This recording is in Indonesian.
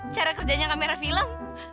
cara kerjanya kamera film